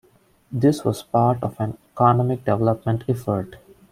This was part of an economic-development effort.